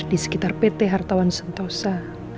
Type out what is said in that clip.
di sekitar pt hartawan sentosa